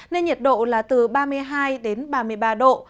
nên nhiệt độ là từ ba mươi hai đến ba mươi ba độ